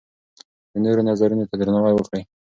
د نورو نظرونو ته درناوی وکړئ.